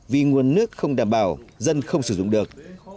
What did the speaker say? vì nguồn nước không đảm bảo dân không sử dụng được